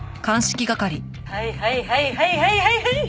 はいはいはいはいはいはいはい！